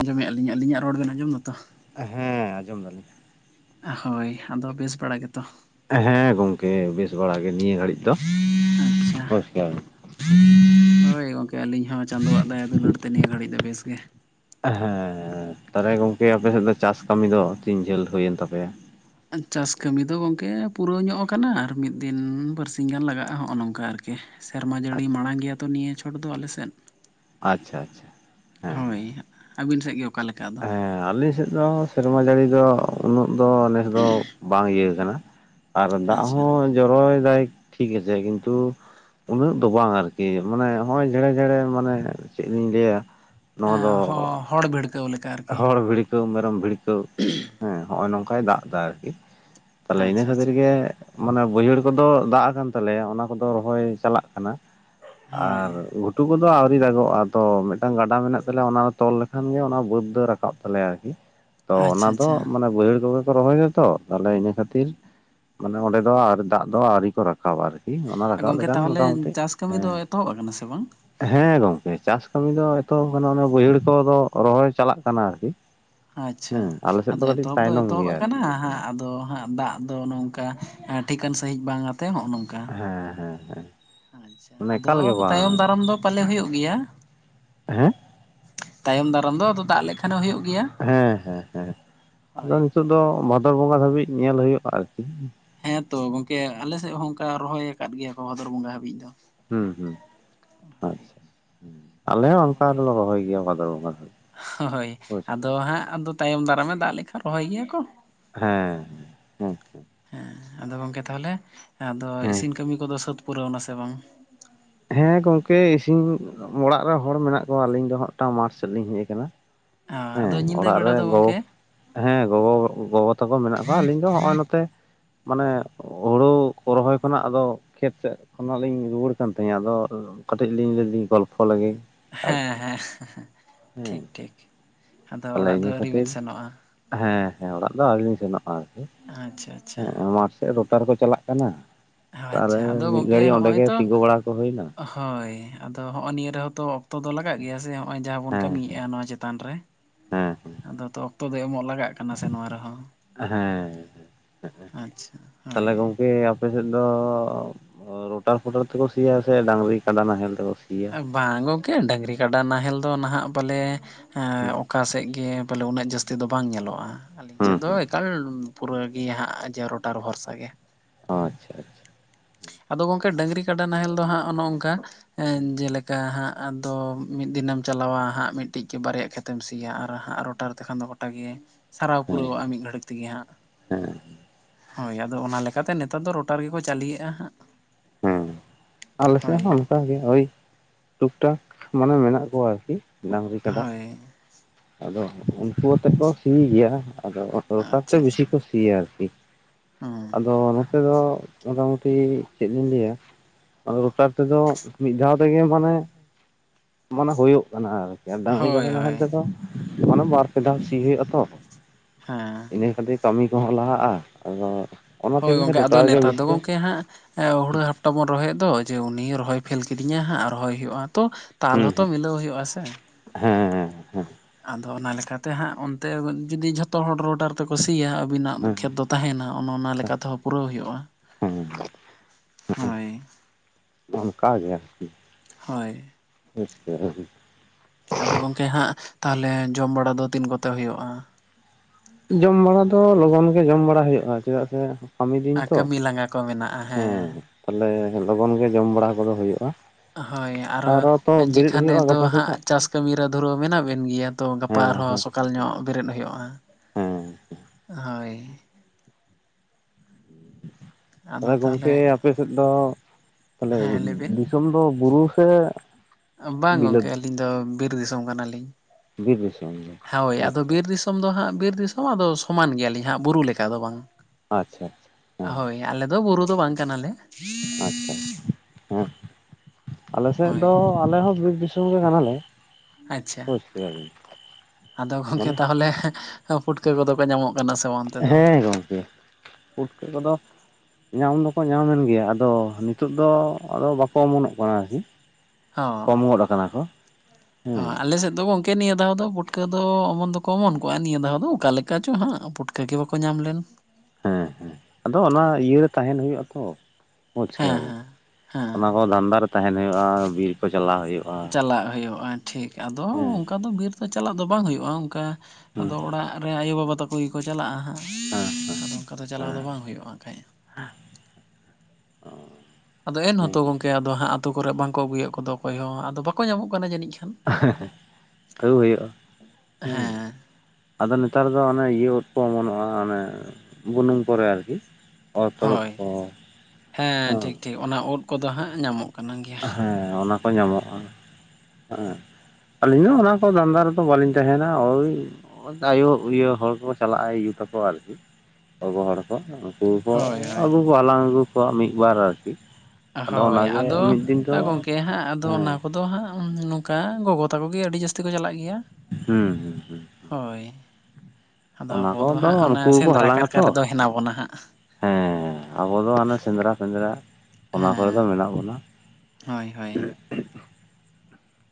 ᱟᱸᱡᱚᱢᱮ ᱟᱞᱤᱧ᱾ ᱟᱞᱤᱧᱟᱜ ᱨᱚᱲ ᱵᱮᱱ ᱟᱸᱡᱚᱢ ᱫᱟᱛᱚ? ᱦᱮᱸ ᱟᱸᱡᱚᱢ ᱫᱟᱞᱤᱧ᱾ ᱦᱳᱭ ᱟᱫᱚ ᱵᱮᱥ ᱵᱟᱲᱟ ᱜᱮᱛᱚ? ᱦᱮᱸ ᱜᱚᱝᱠᱮ ᱵᱮᱥ ᱵᱟᱲ ᱜᱮ ᱱᱤᱭᱟᱹ ᱜᱷᱟᱹᱲᱤᱡ ᱫᱚ᱾ ᱟᱪᱪᱷᱟ ᱵᱩᱡ ᱠᱮᱫᱵᱤᱱ? ᱦᱳᱭ ᱜᱚᱝᱠᱮ ᱟᱹᱞᱤᱧ ᱦᱚᱸ ᱪᱟᱸᱫᱳᱣᱟᱜ ᱫᱟᱭᱟ ᱫᱩᱞᱟᱹᱲ ᱛᱮ ᱱᱤᱭᱟᱹ ᱜᱷᱟᱹᱲᱤᱡ ᱫᱚ ᱵᱮᱥ ᱜᱮ᱾ ᱦᱮᱸ ᱛᱟᱞᱦᱮ ᱜᱚᱝᱠᱮ ᱟᱯᱮ ᱥᱮᱫ ᱫᱚ ᱪᱟᱥ ᱠᱟᱹᱢᱤ ᱫᱚ ᱛᱤᱱ ᱡᱷᱟᱹᱞ ᱦᱩᱭᱮᱱ ᱛᱟᱯᱮᱭᱟ? ᱪᱟᱥ ᱠᱟᱹᱢᱤ ᱫᱚ ᱜᱚᱝᱠᱮ ᱯᱩᱨᱟᱹᱣ ᱧᱚᱜ ᱠᱟᱱᱟ ᱟᱨ ᱢᱤᱫ ᱫᱤᱱ ᱵᱟᱨᱥᱤᱧ ᱜᱟᱱ ᱞᱟᱜᱟᱜ-ᱟ ᱦᱚᱸᱜ-ᱚ ᱱᱚᱝᱠᱟ ᱟᱨᱠᱤ᱾ ᱥᱮᱨᱢᱟ ᱡᱟᱹᱲᱤ ᱢᱟᱲᱟᱝ ᱜᱮᱭᱟ ᱛᱚ ᱱᱤᱭᱟᱹ ᱪᱷᱚᱴ ᱫᱚ ᱟᱞᱮ ᱥᱮᱫ᱾ ᱟᱪᱪᱷᱟ ᱟᱪᱪᱷᱟ ᱦᱮᱸ ᱦᱳᱭ᱾ ᱟᱹᱵᱤᱱ ᱥᱮᱫ ᱜᱮ ᱚᱠᱟᱞᱮᱠᱟ ᱟᱫᱚ? ᱟᱞᱤ ᱥᱮᱫ ᱫᱚ ᱥᱮᱨᱢᱟ ᱡᱟᱹᱲᱤ ᱫᱚ ᱩᱱᱟᱹᱜ ᱫᱚ ᱱᱮᱥ ᱫᱚ ᱵᱟᱝ ᱤᱭᱟᱹᱣ ᱠᱟᱱᱟ᱾ ᱟᱨ ᱫᱟᱜ ᱟᱪᱪᱷᱟ ᱦᱚᱸ ᱡᱚᱨᱚᱭ ᱫᱟᱭ ᱴᱷᱤᱠ ᱟᱪᱷᱮ ᱠᱤᱱᱛᱩ ᱩᱱᱟᱹᱜ ᱫᱚ ᱵᱟᱝ ᱟᱨᱠᱤ ᱢᱟᱱᱮ ᱦᱚᱸᱜ-ᱚᱭ ᱡᱷᱮᱲᱮ ᱡᱷᱮᱲᱮ ᱢᱟᱱᱮ ᱪᱮᱫ ᱞᱤᱧ ᱞᱟᱹᱭᱟ ᱱᱚᱣᱟ ᱫᱚ ᱮᱸ ᱦᱚᱸ ᱦᱚᱲ ᱵᱷᱤᱲᱠᱟᱹᱣ ᱞᱟᱹᱜ ᱦᱚᱲ ᱵᱷᱤᱲᱠᱟᱹᱣ, ᱢᱮᱨᱚᱢ ᱵᱷᱤᱲᱠᱟᱹᱣ ᱦᱮᱸ ᱦᱚᱸᱜ-ᱚᱭ ᱱᱚᱝᱠᱟᱭ ᱫᱟᱜ ᱫᱟ ᱟᱨᱠᱤ᱾ ᱛᱟᱞᱦᱮ ᱤᱱᱟᱹ ᱟᱪᱪᱷᱟ ᱠᱷᱟᱹᱛᱤᱨ ᱟᱪᱪᱷᱟ ᱜᱮ ᱢᱟᱱᱮ ᱵᱟᱹᱭᱦᱟᱹᱲ ᱠᱚᱫᱚ ᱫᱟᱜ ᱟᱠᱟᱱ ᱛᱟᱞᱮᱭᱟ ᱚᱱᱟ ᱠᱚᱫᱚ ᱨᱚᱦᱚᱭ ᱪᱟᱞᱟᱜ ᱠᱟᱱᱟ᱾ ᱦᱳᱭ ᱟᱨ ᱜᱷᱩᱴ ᱞᱴᱩ ᱠᱚᱫᱚ ᱟᱣᱨᱤ ᱫᱟᱜᱚᱜ-ᱟ᱾ ᱛᱚ ᱢᱮᱫᱴᱟᱝ ᱜᱟᱰᱟ ᱢᱮᱱᱟᱜ ᱛᱟᱞᱮᱭᱟ ᱚᱱᱟ ᱛᱮ ᱛᱚᱞ ᱞᱮᱠᱷᱟᱱ ᱜᱮ ᱚᱱᱟ ᱵᱟᱹᱫᱽ [unintelligible] ᱨᱟᱠᱟᱵ ᱛᱟᱞᱮᱭᱟ ᱟᱨᱠᱤ᱾ ᱛᱚ ᱚᱱᱟ ᱟᱪᱪᱷᱟ ᱫᱚ ᱟᱪᱪᱷᱟ ᱢᱟᱱᱮ ᱵᱟᱹᱭᱦᱟᱹᱲ ᱠᱚᱜᱮ ᱠᱚ ᱨᱚᱦᱚᱭ ᱫᱟᱛᱚ ᱛᱟᱞᱦᱮ ᱤᱱᱟᱹ ᱠᱷᱟᱛᱤᱨ ᱢᱟᱱᱮ ᱚᱸᱰᱮ ᱫᱚ ᱟᱨ ᱫᱟᱜ ᱫᱚ ᱟᱣᱨᱤ ᱠᱚ ᱨᱟᱠ ᱨᱟᱠᱟᱵ ᱟᱨᱠᱤ ᱚᱱᱟ ᱨᱟᱠᱟᱵ ᱜᱚᱝᱠᱮ ᱞᱮᱠᱷᱟᱱ ᱛᱟᱦᱚᱞᱮ ᱢᱚᱴᱟᱢᱩᱴᱤ ᱪᱟᱥ ᱠᱟᱹᱢᱤ ᱫᱚ ᱦᱮᱸ ᱮᱛᱚᱦᱚᱵ ᱟᱠᱟᱱᱟ ᱥᱮ ᱵᱟᱝ? ᱦᱮᱸ ᱜᱚᱢᱠᱮ ᱪᱟᱥ ᱠᱟᱹᱢᱤ ᱫᱚ ᱮᱛᱚᱦᱚᱵ ᱠᱟᱱᱟ ᱚᱱᱟ ᱵᱟᱹᱭᱦᱟᱹᱲ ᱠᱚ ᱫᱚ ᱨᱚᱦᱚᱭ ᱪᱟᱞᱟᱜ ᱠᱟᱱᱟ ᱟᱨᱠᱤ᱾ ᱟᱪᱪᱷᱟ ᱦᱮᱸ ᱟᱞᱮ ᱥᱮᱫ ᱟᱫᱚ ᱠᱟᱹᱴᱤᱡ ᱮᱛᱚᱦᱚᱵ ᱫᱚ ᱛᱟᱭᱱᱚᱢ ᱮᱛᱚᱦᱚᱵ ᱜᱮᱭᱟ ᱟᱠᱟᱱᱟ ᱟᱨᱠᱤ ᱦᱟᱸᱜ ᱟᱫᱚ ᱦᱟᱸᱜ ᱫᱟᱜ ᱫᱚ ᱱᱚᱝᱠᱟ ᱴᱷᱤᱠᱟᱹᱱ ᱥᱟᱺᱦᱤᱡ ᱵᱟᱝ ᱟᱛᱮ ᱦᱚᱸᱜ-ᱚ ᱱᱚᱝᱠᱟ᱾ ᱦᱮᱸ ᱦᱮᱸ ᱦᱮᱸ᱾ ᱢᱟᱱᱮ ᱮᱠᱟᱞ ᱜᱮ ᱟᱪᱪᱷᱟ᱾ᱸᱟᱫᱚᱵ ᱵᱟᱝ ᱛᱟᱭᱚᱢ ᱫᱟᱨᱟᱢ ᱫᱚ ᱯᱟᱞᱮ ᱦᱩᱭᱩᱜ ᱜᱮᱭᱟ! ᱦᱮᱸ᱾ ᱛᱟᱭᱚᱢ ᱫᱟᱨᱟᱢ ᱫᱚ ᱟᱫᱚ ᱫᱟᱜ ᱞᱮᱠᱷᱟᱱᱮ ᱦᱳᱭᱳᱜ ᱜᱮᱭᱟ ᱾ ᱦᱮᱸ ᱦᱮᱸ ᱦᱮᱸ ᱟᱫᱚ ᱱᱤᱛᱚᱜ ᱫᱚ ᱵᱷᱟᱫᱚᱨ ᱵᱚᱸᱜᱟ ᱫᱷᱟᱹᱵᱤᱡ ᱧᱮᱞ ᱦᱳᱭᱳᱜᱼᱟ ᱟᱨᱠᱤ ᱾ ᱦᱮᱸ ᱛᱚ ᱜᱚᱝᱠᱮ ᱟᱞᱮ ᱥᱮᱜ ᱦᱚᱸ ᱚᱝᱠᱟ ᱨᱚᱦᱚᱭ ᱟᱠᱟᱫ ᱜᱮᱭᱟ ᱠᱚ ᱵᱷᱟᱫᱚᱨ ᱵᱚᱸᱜᱟ ᱦᱟᱹᱵᱤᱡ ᱫᱚ ᱾ ᱦᱩᱸ ᱦᱩᱸ ᱟᱪᱪᱷᱟ ᱾ ᱟᱞᱮ ᱦᱚᱸ ᱟᱫᱚ ᱚᱱᱠᱟ ᱜᱚᱝᱠᱮ ᱫᱚᱞᱮ ᱨᱚᱦᱚᱭ ᱜᱮᱭᱟ ᱵᱷᱟᱫᱚᱨ ᱵᱚᱸᱜᱟ ᱫᱷᱟᱹᱵᱤᱡ ᱦᱳᱭ ᱥᱮ ᱾ ᱦᱟᱸᱜ ᱟᱫᱚ ᱛᱟᱭᱚᱢ ᱫᱟᱨᱟᱢᱮ ᱫᱟᱜ ᱞᱮᱠᱷᱟᱱᱮ ᱨᱚᱦᱚᱭ ᱜᱮᱭᱟ ᱠᱚ ᱾ ᱦᱮᱸ ᱦᱮᱸ ᱾ ᱦᱮᱸ ᱟᱫᱚ ᱜᱚᱝᱠᱮ ᱛᱟᱦᱚᱞᱮ ᱟᱫᱚ ᱦᱮᱸ ᱤᱥᱤᱱ ᱠᱟᱹᱢᱤ ᱠᱚᱫᱚ ᱥᱟᱹᱛ ᱯᱩᱨᱟᱹᱣ ᱱᱟᱥᱮ ᱵᱟᱝ? ᱦᱮᱸ ᱜᱚᱝᱠᱮ ᱤᱥᱤᱱ ᱚᱲᱟᱜ ᱨᱮ ᱦᱚᱲ ᱢᱮᱱᱟᱜ ᱠᱚᱣᱟ ᱟᱹᱞᱤᱧ ᱫᱚ ᱦᱟᱸᱜ ᱴᱟᱝ ᱢᱟᱴᱷ ᱥᱮᱫ ᱞᱤᱧ ᱦᱮᱡ ᱠᱟᱱᱟ ᱾ ᱟᱫᱚ ᱦᱮᱸ ᱧᱤᱫᱟᱹ ᱚᱲᱟᱜ ᱨᱮ ᱵᱮᱲᱟ ᱫᱚ ᱜᱚᱜᱚ ᱜᱚᱝᱠᱮ ᱦᱮᱸ ᱜᱚᱜᱚ ᱜᱚᱜᱚ ᱛᱟᱠᱚ ᱢᱮᱱᱟᱜ ᱠᱚᱣᱟ ᱟᱞᱤᱧ ᱫᱚ ᱦᱚᱜᱼᱚᱭ ᱱᱚᱛᱮ ᱢᱟᱱᱮ ᱦᱳᱲᱳ ᱨᱚᱦᱚᱭ ᱠᱷᱚᱱᱟᱜ ᱟᱫᱚ ᱠᱷᱮᱛ ᱥᱮᱫ ᱠᱷᱚᱱᱟᱜ ᱞᱤᱧ ᱨᱩᱣᱟᱹᱲ ᱠᱟᱱ ᱛᱟᱦᱮᱸᱜ ᱟᱫᱚ ᱠᱟᱹᱴᱤᱡ ᱞᱤᱧ ᱞᱮᱭᱤᱧ ᱜᱚᱞᱯᱚ ᱞᱮᱜᱮ ᱾ ᱦᱮᱸ ᱦᱮᱸ, ᱴᱷᱤᱠ ᱴᱷᱤᱠ ᱾ ᱛᱟᱦᱚᱞᱮ ᱤᱱᱟᱹ ᱠᱷᱟᱹᱛᱤᱨ, ᱦᱮᱸ ᱦᱮᱸ ᱚᱲᱟᱜ ᱫᱚ ᱟᱹᱣᱨᱤ ᱞᱤᱧ ᱥᱮᱱᱚᱜᱼᱟ ᱟᱨᱠᱤ ᱟᱪᱪᱷᱟ ᱾ ᱟᱪᱪᱷᱟ ᱦᱮᱸ ᱢᱟᱴᱷ ᱥᱮᱜ ᱨᱚᱴᱟᱨ ᱠᱚ ᱪᱟᱞᱟᱜ ᱠᱟᱱᱟ ᱾ ᱛᱟᱦᱚᱞᱮ ᱟᱪᱪᱷᱟ ᱟᱫᱚ ᱢᱤᱫ ᱜᱚᱝᱠᱮ ᱜᱷᱟᱹᱲᱤᱡ ᱦᱚᱜᱼᱚᱭ ᱚᱸᱰᱮᱜᱮ ᱛᱚ ᱛᱤᱝᱜᱩ ᱵᱟᱲᱟ ᱠᱚ ᱦᱩᱭᱱᱟ ᱾ ᱦᱳᱭ, ᱟᱫᱚ ᱦᱚᱜᱼᱚ ᱱᱤᱭᱟᱹ ᱨᱮᱦᱚᱸ ᱛᱚ ᱚᱠᱛᱚ ᱫᱚ ᱞᱟᱜᱟᱜ ᱜᱮᱭᱟ ᱥᱮ ᱦᱚᱸᱜᱼᱚᱭ ᱡᱟᱦᱟᱸ ᱵᱚᱱ ᱠᱟᱹᱢᱤᱭᱮᱜᱼᱟ ᱱᱚᱣᱟ ᱪᱮᱛᱟᱱ ᱨᱮ ᱾ ᱦᱮᱸ ᱟᱫᱚ ᱛᱚ ᱚᱠᱛᱚ ᱫᱚ ᱮᱢᱚᱜ ᱞᱟᱜᱟᱜ ᱠᱟᱱᱟ ᱥᱮ ᱱᱚᱣᱟ ᱨᱮᱦᱚᱸ, ᱦᱮᱸ ᱟᱪᱪᱷᱟ, ᱦᱳᱭ ᱾ ᱟᱯᱮᱥᱮᱫ ᱫᱚ ᱨᱚᱴᱟᱨ ᱯᱷᱚᱴᱟᱨ ᱛᱮᱠᱚ ᱥᱤᱭᱟ ᱥᱮ ᱰᱟᱝᱨᱤ ᱠᱟᱰᱟ ᱱᱟᱦᱮᱞ ᱛᱮᱠᱚ ᱥᱤᱭᱟ? ᱵᱟᱝ ᱜᱚᱝᱠᱮ ᱰᱟᱹᱟᱝᱨᱤ ᱠᱟᱰᱟ ᱱᱟᱦᱮᱞ ᱫᱚ ᱱᱟᱦᱟᱜ ᱵᱚᱞᱮ ᱮᱸ ᱦᱩᱸ ᱚᱠᱟ ᱥᱮᱜ ᱜᱮ ᱛᱟᱦᱚᱞᱮ ᱩᱱᱟᱹᱜ ᱡᱟᱹᱥᱛᱤ ᱫᱚ ᱵᱟᱝ ᱧᱮᱞᱚᱜᱼᱟ, ᱟᱹᱞᱤᱧ ᱥᱮᱜ ᱦᱩᱸ ᱫᱚ ᱦᱩᱸ ᱮᱠᱟᱞ ᱯᱩᱨᱟᱹ ᱜᱤ ᱦᱟᱸᱜ ᱡᱮ ᱨᱚᱴᱟᱨ ᱵᱷᱚᱨᱥᱟ ᱜᱮ ᱾ ᱟᱪᱪᱷᱟ ᱾ ᱟᱫᱚ ᱜᱚᱝᱠᱮ ᱰᱟᱹᱝᱨᱤ ᱠᱟᱰᱟ ᱱᱟᱦᱮᱞ ᱫᱚ ᱦᱟᱸᱜ ᱚᱱᱚᱼᱚᱝᱠᱟ ᱮᱸ ᱡᱮᱞᱮᱠᱟ ᱦᱟᱸᱜ ᱟᱫᱚ ᱢᱤᱫ ᱫᱤᱱᱮᱢ ᱪᱟᱞᱟᱣᱟ ᱦᱟᱸᱜ ᱢᱤᱫᱴᱤᱡ ᱠᱤ ᱵᱟᱨᱭᱟ ᱠᱷᱮᱛᱮᱢ ᱥᱤᱭᱟ ᱟᱨ ᱦᱟᱸᱜ ᱨᱚᱴᱟᱨ ᱛᱮᱠᱷᱟᱱ ᱫᱚ ᱜᱚᱴᱟ ᱜᱮ ᱥᱟᱨᱟᱣ ᱦᱮᱸ ᱯᱩᱨᱟᱹᱣᱟᱜᱼᱟ ᱢᱤᱫ ᱜᱷᱟᱹᱲᱤᱠ ᱛᱤᱜᱤ ᱦᱟᱸᱜ ᱾ ᱦᱮᱸ ᱦᱳᱭ, ᱟᱫᱚ ᱚᱱᱟ ᱞᱮᱠᱟᱛᱮ ᱱᱮᱛᱟᱨ ᱫᱚ ᱨᱳᱴᱟᱨ ᱜᱮᱠᱚ ᱪᱟᱹᱞᱤᱭᱮᱜᱼᱟ ᱦᱟᱸᱜ ᱾ ᱦᱮᱸ, ᱟᱞᱮ ᱥᱮᱫ ᱦᱚᱸ ᱚᱱ ᱠᱟᱜᱮ ᱳᱭ ᱴᱩᱠ ᱴᱟᱠ ᱢᱟᱱᱮ ᱢᱮᱱᱟᱜ ᱠᱚᱭᱟ ᱟᱨᱠᱤ ᱰᱟᱹᱝᱨᱤ ᱠᱟᱰᱟ ᱾ ᱦᱳᱭ ᱟᱫᱚ ᱩᱱᱠᱩ ᱟᱛᱮᱜ ᱠᱚ ᱥᱤ ᱜᱤᱭᱟ ᱟᱫᱚ ᱨᱚᱴᱟᱨ ᱛᱮ ᱵᱤᱥᱤ ᱠᱚ ᱥᱤᱭᱟ ᱟᱨᱠᱤ ᱾ ᱦᱩᱸ ᱾ ᱛᱚ ᱱᱚᱛᱮ ᱫᱚ ᱢᱚᱴᱟᱢᱩᱴᱤ ᱪᱮᱫ ᱞᱤᱧ ᱞᱮᱭᱟ? ᱨᱚᱴᱟᱨ ᱛᱮᱫᱚ ᱢᱤᱫ ᱫᱷᱟᱣ ᱛᱮᱜᱮ ᱢᱟᱱᱮ ᱢᱟᱱᱮ ᱦᱳᱭᱳᱜ ᱠᱟᱱᱟ ᱟᱨ ᱠᱤ ᱟᱨ ᱰᱟᱹᱝᱨᱤ ᱦᱳᱭ ᱠᱟᱰᱟ ᱱᱟᱦᱮᱞ ᱦᱳᱭ ᱛᱮᱫᱚ ᱢᱟᱱᱮ ᱵᱟᱨ ᱯᱮ ᱫᱷᱟᱣ ᱥᱤ ᱦᱳᱭᱳᱜᱼᱟ ᱛᱚ ᱾ ᱦᱮᱸ ᱾ ᱤᱱᱟᱹ ᱠᱷᱟᱹᱛᱤᱨ ᱠᱟᱹᱢᱤ ᱠᱚᱦᱚᱸ ᱞᱟᱦᱟᱜᱼᱟ, ᱟᱫᱚ ᱚᱱᱟ ᱦᱳᱭ, ᱛᱮᱜᱮ ᱜᱚᱝᱠᱮ ᱟᱫᱚ ᱨᱳᱴᱟᱨ ᱜᱮ ᱱᱮᱛᱟᱨ ᱫᱚ ᱵᱮᱥᱤ ᱜᱚᱝᱠᱮ ᱦᱟᱸᱜ ᱦᱮᱸ, ᱦᱩᱲᱟᱹ ᱦᱟᱯᱴᱟ ᱵᱚᱱ ᱨᱚᱦᱚᱭᱮᱜ ᱫᱚ ᱡᱮ ᱩᱱᱤ ᱨᱚᱦᱚᱭ ᱯᱷᱮᱞ ᱠᱤᱫᱤᱧᱟ ᱦᱟᱸᱜ ᱨᱚᱦᱚᱭ ᱦᱳᱭᱳᱜᱼᱟ ᱛᱚ ᱾ ᱦᱩᱸ ᱦᱩᱸ ᱦᱮᱸ ᱾ ᱟᱫᱚ ᱚᱱᱟ ᱞᱮᱠᱟᱛᱮ ᱦᱟᱸᱜ ᱚᱱᱛᱮ ᱡᱩᱫᱤ ᱡᱷᱚᱛᱚ ᱦᱚᱲ ᱨᱳᱴᱟᱨ ᱛᱮᱠᱚ ᱥᱤᱭᱟ ᱟᱹᱵᱤᱱᱟᱜ ᱦᱮᱸ ᱠᱷᱮᱛ ᱫᱚ ᱛᱟᱦᱮᱱᱟ ᱚᱱᱚ ᱚᱱᱟ ᱞᱮᱠᱟ ᱛᱮᱦᱚᱸ ᱯᱩᱨᱟᱹᱣ ᱦᱩᱭᱩᱜᱼᱟ ᱾ ᱦᱮᱸ ᱦᱳᱭ ᱾ ᱚᱱᱠᱟ ᱜᱮ ᱟᱨᱠᱤ ᱾ ᱦᱳᱭ᱾ [inaudible] ᱟᱫᱚ ᱜᱚᱝᱠᱮ ᱦᱟᱸᱜ ᱛᱟᱦᱞᱮ ᱡᱚᱢ ᱵᱟᱲᱟ ᱫᱚ ᱛᱤᱱ ᱠᱚᱛᱮ ᱦᱩᱭᱩᱜᱼᱟ? ᱡᱚᱢ ᱵᱟᱲᱟ ᱫᱚ ᱞᱚᱜᱚᱱ ᱜᱮ ᱡᱚᱢ ᱵᱟᱲᱟ ᱦᱩᱭᱩᱜᱼᱟ ᱪᱮᱫᱟᱜ ᱥᱮᱼᱼ ᱟ ᱠᱟᱹᱢᱤ ᱞᱟᱸᱜᱟ ᱠᱚ ᱢᱮᱱᱟᱜᱼᱟ ᱦᱮᱸ ᱛᱟᱦᱞᱮ ᱞᱚᱜᱚᱱ ᱜᱮ ᱡᱚᱢ ᱵᱟᱲᱟ ᱠᱚᱫᱚ ᱦᱩᱭᱩᱜᱼᱟ᱾ ᱦᱳᱭ ᱟᱨᱚᱼᱼ ᱟᱨᱚ ᱛᱚ ᱵᱮᱨᱮᱫ ᱡᱮᱠᱷᱟᱱᱮ ᱦᱩᱭᱩᱜᱼᱟ ᱫᱚ ᱜᱟᱯᱟ ᱦᱟᱸᱜ ᱥᱮᱛᱟᱜ ᱪᱟᱥ ᱠᱟᱹᱢᱤ ᱨᱮ ᱫᱷᱩᱨᱟᱹᱣ ᱢᱮᱱᱟᱜ ᱵᱮᱱ ᱜᱮᱭᱟ, ᱛᱚ ᱜᱟᱯᱟ ᱦᱮᱸ ᱟᱨᱦᱚᱸ ᱦᱮᱸ ᱥᱚᱼᱼ ᱠᱟᱞ ᱧᱚᱜ ᱵᱮᱨᱮᱫ ᱦᱩᱭᱩᱜᱼᱟ᱾ ᱦᱮᱸ ᱦᱳᱭ ᱛᱟᱦᱞᱮ ᱟᱫᱚ ᱛᱟᱦᱚᱞᱮ ᱜᱚᱝᱠᱮ ᱟᱯᱮᱥᱮᱫ ᱫᱚ ᱛᱟᱦᱞᱮ ᱦᱮᱸ ᱞᱟᱹᱭ ᱵᱤᱱ ᱫᱤᱥᱚᱢ ᱫᱚ ᱵᱩᱨᱩ ᱥᱮᱼᱼ ᱵᱟᱝ ᱜᱚᱝᱠᱮ ᱟᱹᱞᱤᱧ ᱫᱚ ᱵᱤᱨ ᱫᱤᱥᱚᱢ ᱠᱟᱱᱟᱞᱤᱧ, ᱵᱤᱨ ᱫᱤᱥᱚᱢ ᱜᱮ? ᱦᱳᱭ ᱟᱫᱚ ᱟᱪᱪᱷᱟ ᱵᱤᱨ ᱫᱤᱥᱚᱢᱼᱼ ᱥᱚᱢ ᱫᱚ ᱦᱟᱸᱜ ᱵᱤᱨ ᱫᱤᱥᱚᱢ ᱟᱫᱚ ᱥᱚᱢᱟᱱ ᱜᱮᱭᱟᱞᱤᱧ ᱦᱟᱸᱜ ᱵᱩᱨᱩ ᱞᱮᱠᱟ ᱫᱚ ᱵᱟᱝ᱾ ᱟᱪᱪᱷᱟ ᱦᱮᱸ ᱦᱳᱭ ᱟᱞᱮ ᱫᱚ ᱵᱩᱨᱩ ᱫᱚ ᱵᱟᱝ ᱠᱟᱱᱟᱞᱮ᱾ ᱟᱪᱪᱷᱟ ᱦᱮᱸ ᱟᱞᱮᱥᱮᱫ ᱫᱚ ᱦᱳᱭ ᱟᱞᱮ ᱦᱚᱸ ᱵᱤᱨ ᱫᱤᱥᱚᱢ ᱜᱮ ᱠᱟᱱᱟᱞᱮ᱾ ᱟᱪᱪᱷᱟ, ᱵᱩᱡᱽ ᱠᱮᱫᱟᱵᱤᱱ ᱟᱫᱚ ᱜᱚᱝᱠᱮ ᱢᱟᱱᱮ ᱛᱟᱦᱚᱞᱮᱼᱼ ᱯᱷᱩᱴᱠᱟᱹ ᱠᱚᱫᱚ ᱠᱚ ᱧᱟᱢᱚᱜ ᱠᱟᱱᱟ ᱥᱮ ᱵᱟᱝ? ᱚᱱᱛᱮ ᱫᱚ? ᱦᱮᱸ ᱜᱚᱢᱠᱮ ᱯᱩᱴᱠᱟᱹ ᱠᱚᱫᱚᱼᱼ ᱧᱟᱢ ᱫᱚᱠᱚ ᱧᱟᱢᱮᱱ ᱜᱮᱭᱟ ᱟᱫᱚ ᱱᱤᱛᱚᱜ ᱫᱚ ᱟᱫᱚ ᱵᱟᱠᱚ ᱚᱢᱚᱱᱚᱜ ᱠᱟᱱᱟ ᱟᱨᱠᱤ᱾ ᱠᱚᱢ ᱜᱚᱫ ᱟᱠᱟᱱᱟ ᱠᱚ᱾ ᱚ ᱦᱮᱸ ᱟᱞᱮ ᱥᱮᱫ ᱫᱚ ᱜᱚᱝᱼᱼ ᱠᱮ ᱱᱤᱭᱟᱹ ᱫᱷᱟᱣ ᱫᱚ ᱯᱩᱴᱠᱟᱹ ᱫᱚ ᱚᱢᱚᱱ ᱫᱚᱠᱚ ᱚᱢᱚᱱ ᱠᱚᱜᱼᱟ, ᱱᱤᱭᱟᱹ ᱫᱷᱟᱣ ᱫᱚ ᱚᱠᱟ ᱞᱮᱠᱟ ᱪᱚ ᱦᱟᱸᱜ ᱯᱩᱴᱠᱟᱹ ᱜᱮ ᱵᱟᱠᱚ ᱧᱟᱢᱞᱮᱱ᱾ ᱦᱮᱸ ᱦᱮᱸ, ᱟᱫᱚ ᱚᱱᱟ ᱤᱭᱟᱹ ᱨᱮ ᱛᱟᱦᱮᱱ ᱦᱩᱭᱩᱜ-ᱟ ᱛᱚ᱾ ᱵᱩᱡᱷ ᱦᱮᱸ ᱠᱮᱫᱟᱵᱤᱱ ᱦᱮᱸ ᱦᱮᱸ᱾ ᱚᱱᱟ ᱠᱚ ᱫᱷᱟᱱᱫᱟ ᱨᱮ ᱛᱟᱦᱮᱱ ᱦᱩᱭᱩᱜᱼᱟ, ᱵᱤᱨ ᱠᱚ ᱪᱟᱞᱟᱣ ᱦᱩᱭᱩᱜᱼᱟ᱾ ᱞᱟᱜ ᱦᱩᱭᱩᱜᱼᱟ ᱴᱷᱤᱠ, ᱟᱫᱚ ᱦᱮᱸ ᱚᱱᱠᱟ ᱫᱚ ᱵᱤᱨ ᱫᱚ ᱪᱟᱞᱟᱜ ᱫᱚ ᱵᱟᱝ ᱦᱩᱭᱩᱜᱼᱟ ᱚᱱᱠᱟ ᱦᱮᱸ ᱟᱫᱚ ᱚᱲᱟᱜᱼᱼ ᱨᱮ ᱟᱭᱳ-ᱵᱟᱵᱟ ᱛᱟᱠᱚ ᱜᱮᱠᱚ ᱪᱟᱞᱟᱜᱼᱟ ᱦᱟᱸᱜ ᱦᱮᱸ ᱟᱫᱚ ᱚᱱᱠᱟ ᱫᱚ ᱪᱟᱞᱟᱣ ᱫᱚ ᱵᱟᱝ ᱦᱩᱭᱩᱜᱼᱟ ᱟᱸᱠ-ᱠᱷᱟᱡ᱾ ᱚᱸ ᱟᱫᱚ ᱮᱱᱦᱚᱛᱚ ᱜᱚᱝᱠᱮ ᱟᱫᱚ ᱦᱟᱸᱜ ᱟᱛᱳ ᱠᱚᱨᱮᱜ ᱵᱟᱝᱠᱚ ᱟᱹᱜᱩᱭᱮᱫ ᱠᱚ ᱫᱚ ᱚᱠᱚᱭ ᱦᱚᱸ ᱟᱫᱚ ᱵᱟᱠᱚ ᱧᱟᱢᱚᱜ ᱠᱟᱱᱟ ᱡᱟᱹᱱᱤᱡ ᱠᱷᱟᱱ᱾ ᱛᱟᱹᱣ ᱦᱩᱭᱩᱜᱼᱟ᱾ ᱦᱮᱸ ᱟᱫᱚ ᱱᱮᱛᱟᱨ ᱫᱚ ᱚᱱᱮ ᱤᱭᱟᱹ ᱩᱫ ᱠᱚ ᱚᱢᱚᱱᱚᱜᱼᱟ ᱚᱱᱮ ᱵᱩᱱᱩᱢ ᱠᱚᱨᱮ ᱟᱨᱠᱤ᱾ ᱚᱨᱛᱳᱫ ᱳᱫ ᱦᱳᱭ ᱠᱚ ᱦᱮᱸ᱾ ᱚᱱᱟ ᱳᱫ ᱠᱚᱫᱚ ᱦᱟᱸᱜ ᱧᱟᱢᱚᱜᱼᱼ ᱦᱮᱸ ᱚᱱᱟ ᱠᱚ ᱧᱟᱢᱚᱜ-ᱟ ᱦᱮᱸ᱾ ᱟᱹᱞᱤᱧ ᱫᱚ ᱚᱱᱟ ᱠᱚ ᱫᱟᱱᱫᱟ ᱨᱮ ᱫᱚ ᱵᱟᱹᱞᱤᱧ ᱛᱟᱦᱮᱱᱟ ᱳᱭᱼᱼ ᱟᱭᱳ ᱤᱭᱟᱹ ᱦᱚᱲ ᱠᱚᱠᱚ ᱪᱟᱞᱟᱜᱼᱟ ᱭᱩ ᱛᱟᱠᱚ ᱟᱨᱠᱤ, ᱜᱚᱜᱚ ᱦᱚᱲ ᱠᱚ᱾ ᱩᱱᱠᱩ [unintelligible] ᱠᱚ ᱦᱳᱭ ᱦᱳᱭ ᱟᱹᱜᱩ ᱠᱚᱣᱟ ᱦᱟᱞᱟᱝ ᱟᱹᱜᱩ ᱠᱚᱣᱟ ᱢᱤᱫ-ᱵᱟᱨ ᱟᱨᱠᱤ᱾ ᱟᱫᱚ ᱦᱳᱭ ᱚᱱᱟᱜᱮ ᱟᱫᱚ ᱢᱤᱫ ᱫᱤᱱ ᱫᱚ ᱜᱚᱝᱠᱮ ᱦᱟᱸᱜ ᱟᱫᱚ ᱚᱱᱟ ᱦᱮᱸ ᱠᱚᱫᱼᱼ ᱫᱚ ᱦᱟᱸᱜ ᱱᱚᱝᱠᱟ ᱜᱚᱜᱚ ᱛᱟᱠᱚ ᱜᱮ ᱟᱹᱰᱤ ᱡᱟᱹᱥᱛᱤ ᱠᱚ ᱪᱟᱞᱟᱜ ᱜᱮᱭᱟ᱾ ᱦᱩᱸ ᱦᱩᱸ ᱦᱳᱭ᱾ ᱟᱫᱚ ᱚᱱᱟ ᱟᱵᱚ ᱫᱚ ᱦᱟᱸᱜ ᱠᱚᱫᱚ ᱚᱱᱟ ᱩᱱᱠᱩ ᱥᱮᱸᱫᱽᱨᱟ-ᱠᱟᱨᱠᱟ ᱨᱮᱫᱚ ᱦᱮᱱᱟ ᱵᱚᱱᱟ ᱦᱟᱸᱜ᱾ ᱦᱮᱸᱻ ᱟᱵᱚ ᱫᱚ ᱦᱟᱱᱮ ᱥᱮᱸᱫᱽᱨᱟᱼ ᱯᱮᱸᱫᱽᱨᱟ ᱚᱱᱟ ᱠᱚᱨᱮ ᱦᱮᱸ ᱫᱚ ᱢᱮᱱᱟᱜ ᱵᱚᱱᱟ᱾ ᱦᱳᱭ ᱦᱳᱭ᱾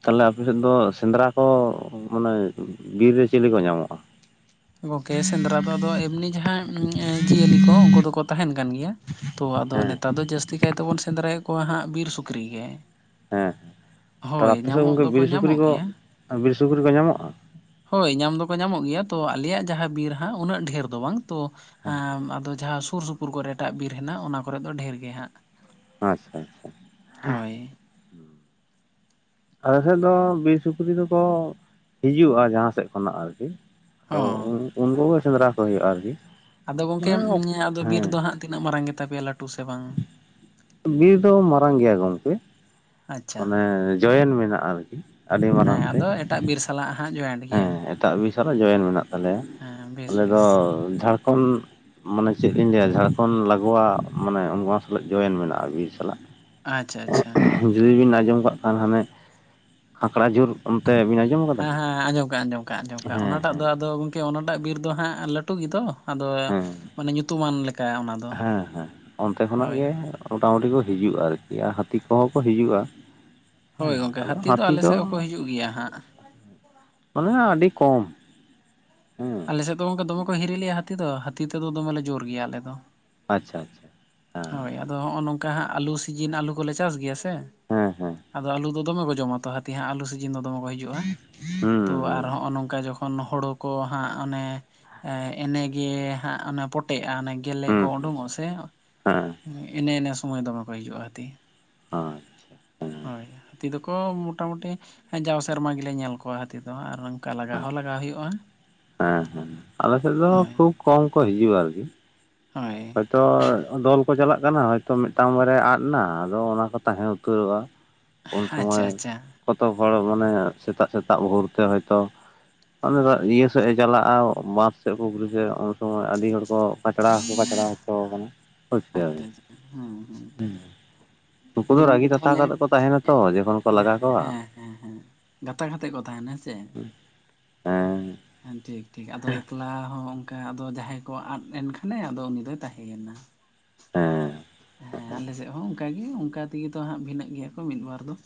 ᱛᱟᱦᱚᱞᱮ ᱟᱯᱮ ᱥᱮᱫ ᱫᱚ ᱥᱮᱸᱫᱽᱨᱟ ᱠᱚ ᱢᱟᱱᱮ ᱵᱤᱨ ᱨᱮ ᱪᱤᱞᱤ ᱠᱚ ᱧᱟᱢᱚᱜ-ᱟ? ᱜᱚᱝᱠᱮ ᱥᱮᱸᱫᱽᱨᱟ ᱫᱚ ᱟᱫᱚ ᱮᱢᱱᱤ ᱡᱟᱦᱟᱸ ᱮᱸ ᱡᱤᱭᱟᱹᱞᱤ ᱠᱚ ᱩᱱᱠᱩ ᱫᱚᱠᱚ ᱛᱟᱦᱮᱱ ᱠᱟᱱ ᱜᱮᱭᱟ, ᱛᱳ ᱟᱫᱚ ᱦᱮᱸ ᱱᱮᱛᱟᱨ ᱫᱚ ᱡᱟᱹᱥᱛᱤ ᱠᱟᱭᱛᱮᱵᱚᱱ ᱥᱮᱸᱫᱽᱨᱟᱭᱮᱫ ᱠᱚᱣᱟ ᱦᱟᱸᱜ ᱵᱤᱨ ᱥᱩᱠᱨᱤ ᱜᱮ᱾ ᱦᱮᱸ ᱛᱚ ᱦᱳᱭ ᱟᱯᱮ ᱥᱮᱫ ᱧᱟᱢᱚᱜ ᱜᱚᱝᱠᱮ ᱫᱚᱠᱚ ᱵᱤᱨ ᱥᱩᱠᱨᱤ ᱧᱟᱢᱚᱜ ᱠᱚ ᱜᱮᱭᱟ ᱵᱤᱨ ᱥᱩᱠᱨᱤ ᱠᱚ ᱧᱟᱢᱚᱜ-ᱟ? ᱦᱳᱭ ᱧᱟᱢ ᱫᱚᱠᱚ ᱧᱟᱢᱚᱜ ᱜᱮᱭᱟ, ᱛᱳ ᱟᱞᱮᱭᱟᱜ ᱡᱟᱦᱟᱸ ᱵᱤᱨ ᱦᱟᱸᱜ ᱩᱱᱟᱹᱜ ᱰᱷᱮᱨ ᱫᱚ ᱵᱟᱝ᱾ ᱛᱚ ᱦᱮᱸ ᱟᱫᱚ ᱡᱟᱦᱟᱸ ᱥᱩᱨ ᱥᱩᱯᱩᱨ ᱠᱚᱨᱮᱜ ᱮᱴᱟᱜ ᱵᱤᱨ ᱦᱮᱱᱟᱜ ᱚᱱᱟ ᱠᱚᱨᱮᱜ ᱫᱚ ᱰᱷᱮᱨ ᱜᱮ ᱦᱟᱸᱜ ᱟᱪᱪᱷᱟ ᱦᱳᱭ ᱟᱞᱮ ᱥᱮᱫ ᱫᱚ ᱵᱤᱨ ᱥᱩᱠᱨᱤ ᱫᱚᱠᱚ ᱦᱤᱡᱩᱜ-ᱟ ᱡᱟᱦᱟᱸ ᱥᱮᱫ ᱠᱷᱚᱱᱟᱜ ᱟᱨᱠᱤ ᱟᱫᱚ ᱦᱚᱸ ᱩᱱ ᱩᱱᱠᱩᱜᱮ ᱥᱮᱸᱫᱽᱨᱟ ᱠᱚ ᱦᱩᱭᱩᱜ-ᱟ ᱟᱨᱠᱤ ᱟᱫᱚ ᱜᱚᱝᱠᱮ ᱢᱟᱱᱮ ᱟᱫᱚ ᱵᱤᱨ ᱦᱮᱸ ᱫᱚ ᱦᱟᱸᱜ ᱛᱤᱱᱟᱹᱜ ᱢᱟᱨᱟᱝ ᱜᱮᱛᱟ ᱯᱮᱭᱟ ᱞᱟᱹᱴᱩ ᱥᱮ ᱵᱟᱝ? ᱵᱤᱨ ᱫᱚ ᱢᱟᱨᱟᱝ ᱜᱮᱭᱟ ᱜᱚᱝᱠᱮ ᱟᱪᱪᱷᱟ ᱢᱟᱱᱮ ᱡᱚᱭᱮᱱ ᱢᱮᱱᱟᱜ-ᱟ ᱟᱨᱠᱤ ᱟᱹᱰᱤ ᱦᱮᱸ ᱢᱟᱨᱟᱝ ᱛᱮ ᱟᱫᱚ ᱮᱴᱟᱜ ᱵᱤᱨ ᱥᱟᱞᱟᱜ ᱦᱟᱸᱜ ᱡᱚᱭᱮᱱᱴ ᱦᱮᱸ ᱜᱮᱭᱟ ᱮᱴᱟᱜ ᱵᱤᱨᱥᱞᱟᱜ ᱡᱚᱭᱮᱱ ᱢᱮᱱᱟᱜ ᱛᱟᱞᱮᱭᱟ ᱦᱮᱸ ᱵᱮᱥ ᱟᱞᱮ ᱫᱚ ᱵᱮᱥ ᱡᱷᱟᱲᱠᱷᱚᱸᱰ ᱢᱟᱱᱮ ᱪᱮᱫ ᱞᱤᱧ ᱞᱟᱹᱭᱟ ᱡᱷᱟᱲᱠᱷᱚᱸᱰ ᱞᱟᱜᱚᱣᱟ ᱢᱟᱱᱮ ᱚᱱᱟ ᱥᱟᱞᱟᱜ ᱡᱚᱭᱮᱱ ᱢᱮᱱᱟᱜ-ᱟ ᱵᱤᱨ ᱥᱟᱞᱟᱜ ᱟᱪᱪᱷᱟ ᱟᱪᱪᱷᱟ ᱡᱩᱫᱤ ᱵᱤᱱ ᱟᱸᱡᱚᱢ ᱠᱟᱜ ᱠᱷᱟᱱ ᱦᱟᱱᱮ ᱠᱷᱠᱲᱟ ᱡᱷᱩᱨ ᱚᱱᱛᱮ ᱵᱤᱱ ᱟᱸᱡᱚᱢ ᱠᱟᱫᱟ ᱦᱮᱸ ᱠᱤ ᱦᱮᱸ ᱟᱸᱡᱚᱢ ᱠᱟᱜ ᱟᱸᱡᱚᱢ ᱠᱟᱜ ᱟᱸᱡᱚᱢ ᱠᱟᱜ ᱦᱮᱸ ᱚᱱᱟᱴᱟᱜ ᱫᱚ ᱦᱮᱸ ᱟᱫᱚ ᱜᱚᱝᱠᱮ ᱚᱱᱟᱴᱟᱜ ᱵᱤᱨ ᱫᱚ ᱦᱟᱸᱜ ᱞᱟᱹᱴᱩ ᱜᱮᱫᱚ ᱟᱫᱚ ᱦᱮᱸ ᱢᱟᱱᱮ ᱧᱩᱛᱩᱢᱟᱱ ᱞᱮᱠᱟ ᱚᱱᱟᱫᱚ ᱦᱳᱭ ᱢᱳᱚᱴᱟ ᱢᱩᱴᱤ ᱠᱚ ᱦᱤᱡᱩᱜ-ᱟ ᱟᱨᱠᱤ ᱟᱨ ᱦᱟᱹᱛᱤ ᱠᱚᱦᱚᱸ ᱠᱚ ᱦᱤᱡᱩᱜ-ᱟ ᱦᱳᱭ ᱜᱚᱝᱠᱮ ᱦᱟᱹᱛᱤ ᱫᱚ ᱟᱞᱮ ᱥᱮᱫ ᱦᱚᱸᱠᱚ ᱦᱤᱡᱩᱜ ᱜᱮᱭᱟ ᱦᱟᱸᱜ ᱚᱱᱴᱱᱮ ᱟᱹᱰᱤ ᱠᱚᱢ ᱦᱮᱸ ᱟᱞᱮᱥᱮᱫ ᱫᱚ ᱜᱚᱝᱠᱮ ᱫᱚᱢᱮ ᱠᱚ ᱦᱤᱨᱤ ᱞᱮᱭᱟ ᱦᱟᱹᱛᱤ ᱫᱚ ᱦᱟᱹᱛᱤ ᱛᱮᱫᱚ ᱫᱚᱢᱮᱞᱮ ᱡᱳᱨ ᱜᱮᱭᱟ ᱟᱞᱮᱫ ᱟᱪᱪᱷᱟ ᱟᱪᱪᱷᱟᱮᱜ ᱦᱳᱭ ᱟᱫᱚ ᱦᱚᱸᱜ-ᱚ ᱱᱚᱝᱠᱟ ᱦᱟᱸᱜ ᱟᱹᱞᱩ ᱥᱤᱡᱤᱱ ᱟᱹᱞᱩ ᱠᱚᱞᱮ ᱪᱟᱥ ᱜᱮᱭᱟ ᱥᱮ ᱦᱮᱸ ᱦᱮᱸ ᱟᱫᱚ ᱟᱞᱩ ᱫᱚ ᱫᱚᱢᱮ ᱠᱚ ᱡᱚᱢᱟ ᱛᱚ ᱦᱟᱹᱛᱤ ᱦᱟᱸᱜ ᱟᱞᱩ ᱥᱤᱡᱤᱱ ᱫᱚ ᱫᱚᱢᱮ ᱠᱚ ᱦᱤᱡᱩᱜ-ᱟ ᱛᱚ ᱦᱩᱸ ᱟᱨ ᱦᱩᱸ ᱦᱚᱜᱚ ᱱᱚᱝᱠᱟ ᱡᱚᱠᱷᱚᱱ ᱠᱷᱚᱱ ᱦᱳᱲᱳ ᱠᱚ ᱦᱟᱸᱜ ᱚᱱᱮ ᱮᱱᱮᱜᱮ ᱦᱟᱸᱜ ᱚᱱᱮ ᱯᱚᱴ ᱛᱮ ᱟ ᱜᱮᱞᱮ ᱠᱚ ᱦᱩᱸ ᱩᱰᱩᱝ ᱟ ᱥᱮ ᱦᱮᱸ ᱮᱱᱮ ᱮᱱᱮ ᱥᱚᱢᱚᱭ ᱫᱚᱢᱮᱠᱚ ᱦᱤᱡᱩᱜ-ᱟ ᱦᱟᱹᱛᱤ ᱟᱪᱷᱟ ᱦᱮ ᱦᱳᱭ ᱦᱟᱹᱛᱤ ᱫᱚᱠᱚ ᱢᱚᱴᱟᱢᱩᱴᱤ ᱡᱟᱣ ᱥᱮᱨᱢᱟ ᱜᱮᱞᱮ ᱧᱮᱞ ᱠᱚᱣᱟ ᱦᱟᱹᱛᱤ ᱫᱚ ᱟᱨ ᱚᱱᱠᱟ ᱞᱟᱜᱟᱣ ᱦᱚᱸ ᱞᱟᱜᱟᱣ ᱦᱩᱭᱩᱜ-ᱟ ᱦᱮᱸ ᱦᱮᱸ ᱟᱞᱮᱥᱮᱫ ᱫᱚ ᱠᱷᱩᱵ ᱠᱚᱢ ᱠᱚ ᱦᱤᱡᱩᱜ-ᱟ ᱟᱨᱠᱤ ᱦᱳᱭ ᱛᱚ ᱫᱚᱞ ᱠᱚ ᱪᱟᱞᱟᱜ ᱠᱟᱱᱟ ᱦᱚᱭᱛᱚ ᱢᱤᱫᱴᱟᱝ ᱵᱟᱨᱭᱟ ᱟᱫ ᱱᱟ ᱟᱫᱚ ᱚᱱᱟ ᱠᱚ ᱛᱟᱦᱮᱸ ᱩᱛᱟᱹᱨᱚᱜ-ᱟ ᱩᱱ ᱥᱚᱢᱚᱭ ᱟᱪᱪᱷᱟ ᱟᱪᱪᱷᱟ ᱠᱚᱛ ᱦᱚᱲ ᱢᱟᱱᱮ ᱥᱤᱛᱟᱜ ᱥᱤᱛᱟᱜ ᱵᱷᱳᱨᱛᱮ ᱦᱚᱭᱛᱳ ᱟᱞᱮᱫᱚ ᱤᱭᱟᱹ ᱥᱮᱫ ᱮ ᱪᱟᱞᱟᱜ-ᱟ ᱢᱟᱫ ᱥᱮᱫ [unintelligible] ᱩᱱ ᱥᱚᱢᱚᱭ ᱟᱹᱰᱤ ᱦᱚᱲ ᱠᱚ ᱯᱟᱪᱪᱲᱟ ᱦᱚᱸᱠᱚ ᱯᱟᱪᱪᱲᱟᱣ ᱦᱚᱪᱚ ᱠᱟᱱᱟ ᱵᱩᱡ ᱟᱪᱪᱷᱟ ᱠᱤᱫᱟ ᱵᱤᱱ ᱟᱪᱪᱷᱟ ᱦᱮᱸ ᱦᱮᱸ ᱩᱱᱩᱠᱩ ᱟᱫᱚ ᱫᱚ ᱨᱟᱹᱜᱤ ᱜᱚᱢᱠᱮ ᱛᱟᱛᱟ ᱛᱟᱦᱚᱞᱮ ᱠᱟᱛᱮᱫ ᱠᱚ ᱛᱟᱦᱮᱱᱟ ᱛᱚ ᱡᱚᱠᱷᱚᱱ ᱠᱚ ᱞᱟᱜᱟ ᱠᱚᱣᱟ ᱦᱮᱸ ᱦᱮᱸ ᱜᱟᱛᱟ ᱜᱟᱛᱮ ᱠᱚ ᱛᱟᱦᱮᱱᱟ ᱦᱮᱸᱥᱮ ᱦᱮᱸ ᱦᱮᱸ ᱴᱷᱤᱠ ᱴᱷᱤᱠ ᱟᱫᱚ ᱮᱠᱞᱟ ᱦᱚᱸ ᱦᱮᱸ ᱟᱫᱚ ᱡᱟᱦᱟᱸᱭ ᱠᱚᱭᱟᱜ ᱟᱫ ᱮᱱ ᱠᱷᱟᱱᱮ ᱟᱫᱚ ᱩᱱᱤ ᱫᱚᱭ ᱛᱟᱦᱮᱸᱭᱮᱱᱟ ᱾ ᱦᱮᱸ ᱦᱮᱸ ᱟᱞᱮ ᱥᱮᱫ ᱦᱚᱸ ᱚᱱᱠᱟᱜᱮ ᱚᱱᱠᱟ ᱛᱮᱜᱮ ᱛᱚ ᱦᱟᱸᱜ ᱵᱷᱤᱱᱟᱹᱜ ᱜᱮᱭᱟ ᱠᱚ ᱢᱤᱫ ᱵᱟᱨ ᱫᱚ ᱾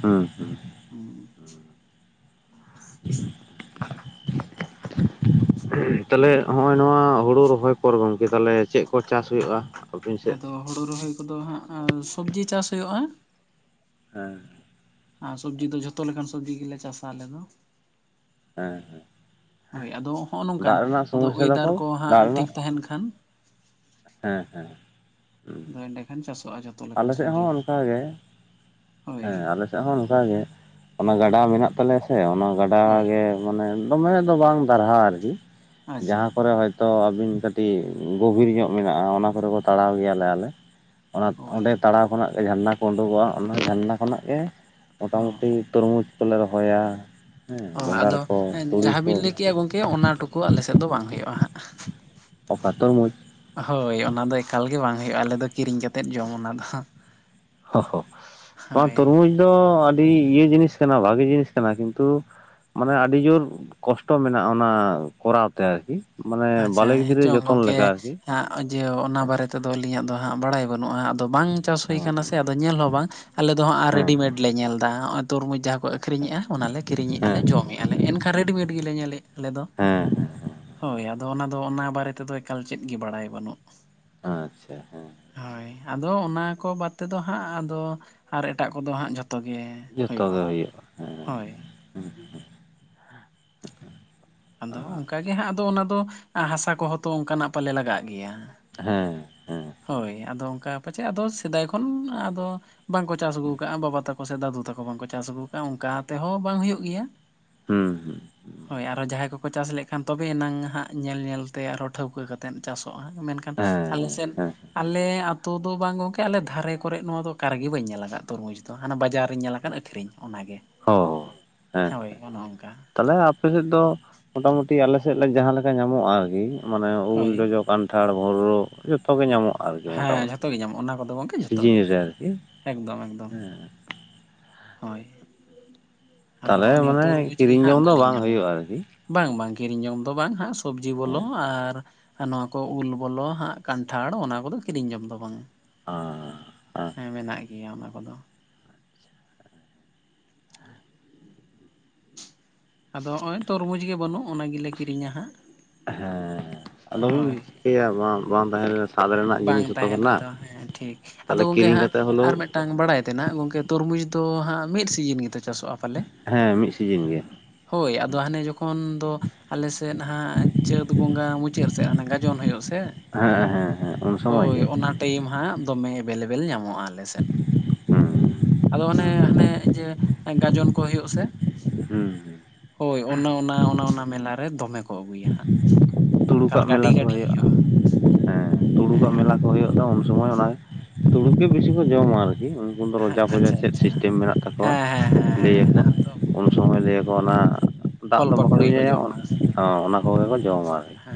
ᱦᱮᱸ ᱦᱮᱸ ᱦᱩᱸ [inaudible] [inaudible] ᱛᱟᱦᱞᱮ ᱦᱚᱜ-ᱚᱭ ᱱᱚᱣᱟ ᱦᱩᱲᱩ ᱨᱚᱦᱚᱭ ᱯᱚᱨ ᱜᱚᱝᱠᱮ ᱛᱟᱦᱞᱮ ᱪᱮᱫ ᱠᱚ ᱪᱟᱥ ᱦᱩᱭᱩᱜ-ᱟ? ᱟᱫᱚ ᱦᱳᱲᱳ ᱨᱚᱦᱚᱭ ᱠᱚᱫᱚ ᱦᱟᱸᱜ ᱥᱚᱵᱽᱡᱤ ᱪᱟᱥ ᱦᱩᱭᱩᱜ-ᱟ ᱾ ᱦᱮᱸ ᱟᱨ ᱥᱚᱵᱽᱡᱤ ᱫᱚ ᱡᱷᱚᱛᱚ ᱞᱮᱠᱟᱱ ᱥᱚᱵᱽᱡᱤ ᱜᱮᱞᱮ ᱪᱟᱥᱟ ᱟᱞᱮ ᱫᱚ᱾ ᱦᱮᱸ ᱦᱮᱸ ᱦᱳᱭ ᱟᱫᱚ ᱦᱚᱜ-ᱚ ᱱᱚᱝᱠᱟᱱ ᱟᱫᱚ ᱚᱭᱮᱫᱟᱨ ᱛᱟᱠᱚ ᱠᱚ ᱫᱟᱜ ᱦᱟᱸᱜ ᱨᱮᱱᱟᱜ ᱴᱷᱤᱠ ᱛᱟᱦᱮᱱ ᱠᱷᱟᱱ ᱦᱮᱸ ᱦᱮᱸ ᱟᱫᱚ ᱮᱸᱰᱮᱠᱷᱟᱱ ᱪᱟᱥᱚᱜ-ᱟ ᱡᱷᱚ ᱟᱞᱮ ᱥᱮᱫ ᱦᱚᱸ ᱚᱱᱠᱟ ᱜᱮ ᱦᱳᱭ ᱦᱮᱸ ᱟᱞᱮ ᱥᱮ ᱥᱮᱜ ᱦᱚᱸ ᱚᱱᱠᱟ ᱜᱮ ᱚᱱᱟ ᱜᱟᱰᱟ ᱢᱮᱱᱟᱜ ᱛᱟᱞᱮᱭᱟ ᱥᱮ ᱚᱱᱟ ᱜᱟᱰᱟ ᱦᱳᱭ ᱜᱮ ᱢᱟᱱᱮ ᱫᱚᱢᱮ ᱫᱚ ᱵᱟᱝ ᱫᱟᱨᱦᱟ ᱟᱨᱠᱤ ᱟᱪᱪᱷᱟ ᱡᱟᱦᱟᱸ ᱠᱚᱨᱮ ᱦᱚᱭ ᱛᱚ ᱟᱹᱵᱤᱱ ᱠᱟᱹᱴᱤᱡ ᱜᱳᱵᱷᱤᱨ ᱧᱚᱜ ᱢᱮᱱᱟᱜ-ᱟ ᱚᱱᱟ ᱠᱚᱨᱮ ᱠᱚ ᱛᱟᱲᱟᱣ ᱜᱮᱭᱟᱞᱮ ᱟᱞᱮ ᱚᱱᱟ ᱚᱸᱰᱮ ᱦᱳᱭ ᱛᱟᱲᱟᱣ ᱠᱷᱚᱱᱟᱜ ᱜᱮ ᱡᱷᱟᱨᱱᱟ ᱠᱚ ᱳᱸᱰᱳᱜᱚ-ᱟ ᱚᱱᱟ ᱡᱷᱟᱨᱱᱟ ᱠᱷᱚᱱᱟᱜ ᱜᱮ ᱦᱚᱸ ᱢᱚᱴᱟᱢᱩᱴᱤ ᱛᱚᱨᱢᱩᱡᱽ ᱠᱚᱞᱮ ᱨᱚᱦᱚᱭᱟ᱾ ᱦᱮᱸ ᱚᱸ ᱵᱮᱸᱜᱟᱲ ᱟᱫᱚ ᱠᱚ ᱮ ᱛᱩᱲᱤ ᱡᱟᱦᱟᱸ ᱠᱚ ᱵᱤᱱ ᱞᱟᱹᱭ ᱠᱮᱜ-ᱟ ᱜᱚᱝᱠᱮ ᱚᱱᱟ ᱴᱩᱠᱩ ᱟᱞᱮ ᱥᱮᱫ ᱫᱚ ᱵᱟᱝ ᱦᱳᱭᱳᱜ-ᱟ ᱦᱟᱸᱜ᱾ ᱚᱠᱟ ᱛᱚᱨᱢᱩᱡᱽ? ᱦᱳᱭ ᱚᱱᱟ ᱫᱚ ᱮᱠᱟᱞ ᱜᱮ ᱵᱟᱝ ᱦᱩᱭᱩᱜᱼᱟ ᱟᱞᱮ ᱫᱚ ᱠᱤᱨᱤᱧ ᱠᱟᱛᱮᱫ ᱡᱚᱢ ᱚᱱᱟ ᱫᱚ᱾ ᱦᱚ ᱦᱚ ᱚᱱᱟ ᱦᱳᱭ ᱛᱚᱨᱢᱩᱡᱽ ᱫᱚ ᱟᱹᱰᱤ ᱤᱭᱟᱹ ᱡᱤᱱᱤᱥ ᱠᱟᱱᱟ ᱵᱷᱟᱜᱮ ᱡᱤᱱᱤᱥ ᱠᱟᱱᱟ ᱠᱤᱱᱛᱩ ᱢᱟᱱᱮ ᱟᱹᱰᱤ ᱡᱳᱨ ᱠᱚᱥᱴᱚ ᱢᱮᱱᱟᱜᱼᱟ ᱚᱱᱟ ᱠᱚᱨᱟᱣ ᱛᱮ ᱟᱨᱠᱤ᱾ ᱢᱟᱱᱮ ᱟᱪᱪᱷᱟ ᱵᱟᱞᱮ ᱜᱤᱫᱽᱨᱟᱹ ᱦᱮᱸᱪᱚᱝ ᱡᱚᱛᱚᱱ ᱞᱮᱠᱟ ᱜᱚᱝᱠᱮ ᱟᱨᱠᱤ᱾ ᱦᱟᱸᱜ ᱡᱟᱹᱣ ᱚᱱᱟ ᱵᱟᱨᱮ ᱛᱮᱫᱚ ᱟᱹᱞᱤᱧᱟᱜ ᱫᱚ ᱦᱟᱸᱜ ᱵᱟᱲᱟᱭ ᱵᱟᱹᱱᱩᱜᱼᱟ ᱟᱫᱚ ᱵᱟᱝ ᱪᱟᱥ ᱦᱩᱭ ᱠᱟᱱᱟ ᱥᱮ ᱦᱮᱸ ᱟᱫᱚ ᱧᱮᱞ ᱦᱚᱸ ᱵᱟᱝ ᱟᱞᱮ ᱫᱚ ᱦᱟᱸᱜ ᱨᱮᱰᱤᱢᱮᱰ ᱦᱮᱸ ᱞᱮ ᱧᱮᱞ ᱮᱫᱟ ᱦᱚᱸᱜ-ᱚᱭ ᱛᱩᱨᱢᱩᱡᱽ ᱡᱟᱦᱟᱸ ᱠᱚ ᱟᱹᱠᱷᱨᱤᱧᱮᱜ-ᱟ ᱚᱱᱟᱞᱮ ᱠᱤᱨᱤᱧᱮᱜ-ᱟ ᱦᱮᱸ ᱞᱮ ᱡᱚᱢᱮᱜ-ᱟ ᱞᱮ ᱮᱱᱠᱷᱟᱱ ᱨᱮᱰᱤᱢᱮᱰ ᱜᱮᱞᱮ ᱧᱮᱞᱮᱜ-ᱟ ᱟᱞᱮ ᱫᱚ᱾ ᱦᱮᱸ ᱟᱪᱪᱷᱟ ᱦᱮᱸ ᱦᱮᱸ ᱦᱮᱸ ᱦᱳᱭ ᱟᱫᱚ ᱚᱱᱟ ᱫᱚ ᱚᱱᱟ ᱵᱟᱨᱮ ᱛᱮᱫᱚ ᱮᱠᱟᱞ ᱪᱮᱫ ᱜᱮ ᱵᱟᱲᱟᱭ ᱵᱟᱹᱱᱩᱜ᱾ ᱟᱪᱪᱷᱟ ᱦᱮᱸ᱾ ᱦᱳᱭ ᱟᱫᱚ ᱚᱱᱟ ᱠᱚ ᱵᱟᱫᱽ ᱛᱮᱫᱚ ᱦᱟᱸᱜ ᱟᱫᱚ ᱟᱨ ᱮᱴᱟᱜ ᱠᱚᱫᱚ ᱦᱟᱸᱜ ᱡᱷᱚ -ᱛᱚ ᱜᱮ ᱦᱩᱭᱩᱜ-ᱟ ᱦᱳᱭ ᱾ ᱦᱩᱸ ᱦᱩᱸ᱾ ᱟᱫᱚ ᱚᱱᱠᱟ ᱜᱮ ᱟᱪᱪᱷᱟ ᱦᱟᱸᱜ ᱟᱫᱚ ᱚᱱᱟ ᱫᱚ ᱦᱟᱥᱟ ᱠᱚᱦᱚᱸ ᱛᱚ ᱚᱱᱠᱟᱱᱟᱜ ᱯᱟᱞᱮ ᱞᱟᱜᱟᱜ ᱜᱮᱭᱟ? ᱦᱮᱸ᱾ ᱦᱮᱸ ᱦᱳᱭ ᱟᱫᱚ ᱚᱱᱠᱟ ᱯᱟᱪᱮᱫ ᱟᱫᱚ ᱥᱮᱫᱟᱭ ᱠᱷᱚᱱ ᱟᱫᱚ ᱵᱟᱝᱠᱚ ᱪᱟᱥ ᱟᱹᱜᱩ ᱠᱟᱜᱼᱟ ᱵᱟᱵᱟ ᱛᱟ ᱠᱚ ᱥᱮ ᱫᱟᱫᱩ ᱛᱟᱠᱚ ᱵᱟᱝᱠᱚ ᱪᱟᱥ ᱟᱹᱜᱩ ᱠᱟᱜᱼᱟ ᱚᱱᱠᱟ ᱛᱮᱦᱚᱸ ᱵᱟᱝ ᱦᱩᱭᱩᱜ ᱜᱮᱭᱟ᱾ ᱦᱩᱸ ᱦᱩᱸ᱾ ᱦᱳᱭ ᱟᱨᱚ ᱡᱟᱦᱟᱸᱭ ᱠᱚᱠᱚ ᱪᱟᱥ ᱞᱮᱠᱷᱟᱱ ᱛᱚᱵᱮᱭᱮᱱᱟᱝ ᱦᱟᱸᱜ ᱧᱮᱞ ᱧᱮᱞᱛᱮ ᱟᱨᱦᱚᱸ ᱴᱷᱟᱹᱣᱠᱟᱹ ᱠᱟ ᱛᱮᱱ ᱪᱟᱥᱚᱜᱼᱟ ᱢᱮᱱᱠᱷᱟᱱ ᱟᱞᱮ ᱦᱮᱸ ᱥᱮᱫ ᱦᱮᱸ ᱮ ᱟᱛᱳ ᱫᱚ ᱵᱟᱝ ᱜᱚᱝᱠᱮ ᱟᱞᱮ ᱫᱷᱟᱨᱮ ᱠᱚᱨᱮ ᱱᱚᱣᱟ ᱫᱚ ᱚᱠᱟ ᱨᱮᱜᱮ ᱵᱟᱹᱧ ᱧᱮᱞ ᱟᱠᱟᱫ ᱛᱚᱨᱢᱩᱡᱽ ᱫᱚ ᱦᱟᱱᱟ ᱵᱟᱡᱟᱨᱤᱧ ᱧᱮᱞ ᱟᱠᱟᱫ ᱟᱹᱠᱷᱨᱤᱧ᱾ ᱚᱱᱟᱜᱮ᱾ ᱦᱳ, ᱦᱮᱸ ᱦᱳᱭ ᱦᱮᱸ ᱚᱱᱮ ᱚᱱᱠᱟ ᱛᱟᱦᱚᱞᱮ ᱟᱯᱮ ᱥᱮᱫ ᱫᱚ ᱢᱚᱴᱟ ᱢᱩᱴᱤ ᱟᱞᱮ ᱥᱮᱫ ᱞᱮ ᱡᱟᱦᱟᱸ ᱞᱮᱠᱟ ᱧᱟᱢᱚᱜᱼᱟ ᱟᱨᱠᱤ ᱢᱟᱱᱮ ᱩᱞ ᱦᱳᱭ ᱡᱚᱡᱚ ᱠᱟᱱ ᱴᱷᱟᱲ ᱵᱷᱳᱬᱨᱳ [unintelligible] ᱛᱚ ᱜᱮ ᱧᱟᱢᱚᱜᱼᱟ ᱟᱨᱠᱤ ᱦᱮᱸ ᱢᱚᱴᱟᱢᱩᱴᱤ, ᱡᱷᱚᱛᱚ ᱜᱮ ᱧᱟᱢᱚᱜᱼᱟ ᱚᱱᱟ ᱠᱚᱫᱚ ᱜᱚᱝᱠᱮ ᱡᱷᱚᱛᱚ ᱥᱤᱡᱤᱱ ᱜᱮ ᱨᱮ ᱟᱨᱠᱤ ᱮᱠᱫᱚᱢ ᱮᱠᱫᱚᱢ ᱦᱳᱭ᱾ ᱟᱫᱚ ᱛᱟᱦᱚᱞᱮ ᱦᱚᱸᱜᱼᱚ ᱱᱤᱭᱟᱹ ᱢᱟᱱᱮ ᱛᱚᱨᱢᱩᱡᱽ ᱜᱮ ᱠᱤᱨᱤᱧ ᱡᱚᱢ ᱦᱟᱸᱜ ᱫᱚ ᱵᱟᱹᱞᱤᱧ ᱵᱟᱝ ᱧᱟᱢᱟ ᱦᱩᱭᱩᱜᱼᱟ ᱟᱨᱠᱤ? ᱵᱟᱝ ᱵᱟᱝ ᱠᱤᱨᱤᱧ ᱡᱚᱢ ᱫᱚ ᱵᱟᱝ ᱦᱟᱸᱜ ᱥᱚᱵᱽᱡᱤ ᱵᱚᱞᱚ ᱦᱮᱸ ᱟᱨ ᱟᱨ ᱱᱚᱣᱟ ᱠᱚ ᱩᱞ ᱵᱚᱞᱚ ᱦᱟᱸᱜ ᱠᱟᱱᱴᱷᱟᱲ ᱚᱱᱟ ᱠᱚᱫᱚ ᱠᱤᱨᱤᱧ ᱡᱚᱢ ᱫᱚ ᱵᱟᱝ᱾ ᱟᱻ ᱦᱮᱸ ᱢᱮᱱᱟᱜ ᱜᱮᱭᱟ ᱚᱱᱟ ᱠᱚᱫᱚ᱾ ᱟᱫᱚ ᱦᱚᱸᱜᱼᱚᱭ ᱛᱚᱨᱢᱩᱡᱽ ᱜᱮ ᱵᱟᱹᱱᱩᱜ ᱚᱱᱟ ᱜᱮᱞᱮ ᱠᱤᱨᱤᱧᱟ ᱦᱟᱸᱜ᱾ ᱦᱮᱸ ᱟᱫᱚ ᱵᱤᱱ ᱦᱳᱭ ᱪᱤᱠᱟᱹᱭᱟ ᱵᱟᱝ ᱵᱟᱝ ᱛᱟᱦᱮᱸ ᱞᱮ ᱵᱟᱝ ᱛᱟᱦᱮᱱ ᱨᱮᱫᱚ ᱦᱮᱸ ᱴᱷᱤᱠ ᱟᱫᱚ ᱛᱟᱦᱚᱞᱮ ᱜᱚᱝᱠᱮ ᱠᱤᱨᱤᱧ ᱦᱟᱸᱜ ᱠᱟᱛᱮ ᱟᱨ ᱦᱚᱞᱮᱣ ᱢᱤᱫ ᱴᱟᱝ ᱵᱟᱲᱟᱭ ᱛᱮᱦᱮᱱᱟ ᱜᱚᱝᱠᱮ ᱛᱚᱨᱢᱩᱡᱽ ᱫᱚ ᱦᱟᱸᱜ ᱢᱤᱫ ᱥᱤᱡᱤᱱ ᱜᱮᱛᱚ ᱪᱟᱥᱚᱜᱼᱟ ᱯᱟᱞᱮ? ᱦᱮᱸ ᱢᱤᱫ ᱥᱤᱡᱤᱱ ᱜᱮ ᱦᱳᱭ ᱟᱫᱚ ᱦᱟᱱᱮ ᱡᱚᱠᱷᱚᱱ ᱫᱚ ᱟᱞᱮᱥᱮᱫ ᱦᱟᱸᱜ ᱪᱟᱹᱛ ᱵᱚᱸᱜᱟ ᱢᱩᱪᱟᱹᱫ ᱥᱮᱫ ᱜᱟᱡᱚᱱ ᱦᱩᱭᱩᱜ ᱥᱮ ᱦᱮᱸ ᱦᱮᱸ ᱩᱱ ᱥᱚᱢᱚᱭ ᱦᱳᱭ ᱜᱮ ᱚᱱᱟ ᱴᱟᱭᱤᱢ ᱦᱟᱸᱜ ᱫᱚᱢᱮ ᱮᱵᱮᱞᱮᱵᱮᱞ ᱧᱟᱢᱚᱜ ᱟᱞᱮ ᱥᱮᱫ ᱦᱩᱸ ᱟᱫᱚ ᱚᱱᱮ ᱦᱟᱱᱮ ᱡᱮ ᱜᱟᱡᱚᱱ ᱠᱚ ᱦᱩᱭᱩᱜᱼᱟ ᱥᱮ ᱦᱩᱸ ᱦᱳᱭ ᱚᱱ ᱚᱱᱟ ᱚᱱᱟ ᱢᱮᱞᱟᱨᱮ ᱫᱚᱢᱮ ᱠᱚ ᱟᱹᱜᱩᱭᱟ ᱦᱟᱸᱜ᱾ ᱦᱩᱸ ᱮᱠᱟᱞ ᱛᱩᱲᱩᱠᱟᱜ ᱢᱮᱞᱟ ᱜᱟᱹᱰᱤ ᱠᱚ ᱜᱟᱹᱰᱤ ᱦᱩᱭᱩᱜᱼᱟ ᱦᱤᱡᱩᱜᱼᱟ ᱦᱮᱸ ᱛᱩᱲᱩᱠᱟᱜ ᱦᱮᱸ ᱢᱮᱞᱟ ᱠᱚ ᱦᱩᱭᱩᱜᱼᱟ ᱩᱱ ᱥᱩᱚᱢᱚᱭ ᱚᱱᱟ ᱛᱩᱲᱩᱠ ᱜᱮ ᱵᱤᱥᱤ ᱠᱚ ᱡᱚᱢᱟ ᱟᱨᱠᱤ ᱩᱱ ᱫᱚ ᱦᱮᱸ ᱨᱚᱡᱟ ᱯᱚᱡᱟ ᱟᱪᱪᱷᱟ ᱪᱮᱫ ᱟᱪᱪᱷᱟ ᱥᱤᱥᱴᱮᱢ ᱢᱮᱱᱟᱜ ᱛᱟᱠᱚᱣᱟ ᱦᱮᱸ ᱦᱮᱸ ᱦᱮᱸ ᱦᱮᱸ ᱞᱟᱹᱭ ᱟᱠᱚ ᱦᱮᱱᱟᱜ ᱟᱛᱚ ᱩᱱᱠᱩ ᱩᱱ ᱫᱚ ᱥᱚᱢᱚᱭ ᱞᱟᱹᱭ ᱟᱠᱚ ᱚᱱᱟ ᱫᱟᱜ ᱯᱷᱚᱞ ᱫᱚ ᱯᱟᱠᱚᱲ ᱵᱟᱠᱚ ᱜᱮᱠᱚ ᱧᱩᱭᱟ ᱡᱚᱢᱟ ᱚᱱᱟ ᱠᱚᱜᱮ ᱠᱚ ᱡᱚᱢᱟ ᱟᱨᱠᱤ ᱦᱮᱸ